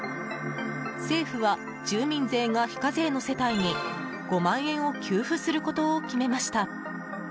政府は、住民税が非課税の世帯に５万円を給付することを決めました。